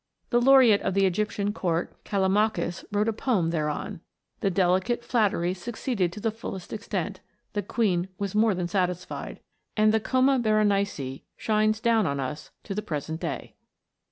The laureate of the Egyptian court, Callimachus, wrote a poem thereon. The "delicate" flattery succeeded to the fullest extent; the queen was more than satisfied, and the Coma Berenices shines down on us to the present day